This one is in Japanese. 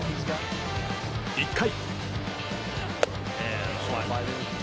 １回。